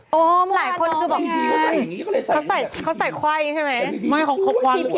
เขาใส่ไข่ใช่ไหม